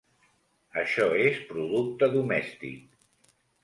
Això és producte domèstic.